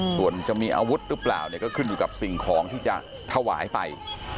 ส่วนจะมีอาวุธหรือเปล่าเนี่ยก็ขึ้นอยู่กับสิ่งของที่จะถวายไป